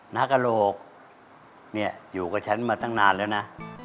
นักโลกนี่อยู่กับฉันมาตั้งนานแล้วนะ